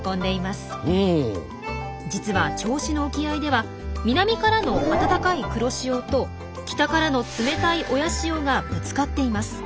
実は銚子の沖合では南からの暖かい黒潮と北からの冷たい親潮がぶつかっています。